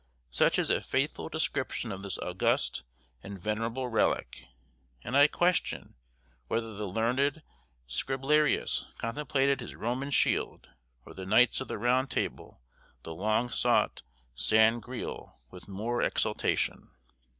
Such is a faithful description of this august and venerable relic, and I question whether the learned Scriblerius contemplated his Roman shield, or the Knights of the Round Table the long sought San greal, with more exultation.